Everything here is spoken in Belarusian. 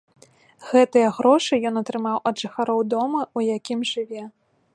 Гэтыя грошы ён атрымаў ад жыхароў дома, у якім жыве.